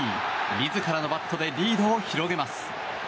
自らのバットでリードを広げます。